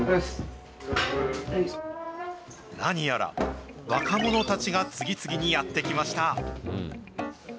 何やら、若者たちが次々にやって来ました。